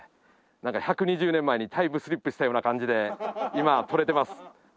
なんか１２０年前にタイムスリップしたような感じで今撮れてます。